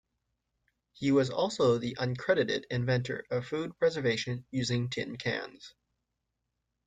He was also the uncredited inventor of food preservation using tin cans.